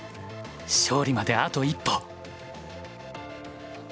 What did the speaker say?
勝利まであと一歩。